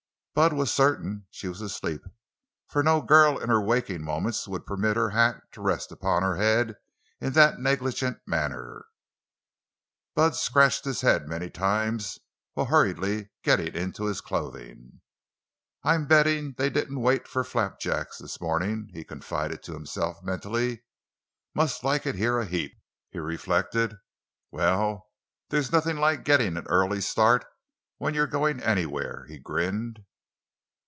Bud was certain she was asleep, for no girl in her waking moments would permit her hat to rest upon her head in that negligent manner. Bad scratched his head many times while hurriedly getting into his clothing. "I'm bettin' they didn't wait for flapjacks this morning!" he confided to himself, mentally. "Must like it here a heap," he reflected. "Well, there's nothin' like gittin' an early start when you're goin' anywhere!" he grinned.